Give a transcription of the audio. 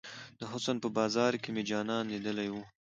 د حسن په بازار کې مې جانان ليدلی وه.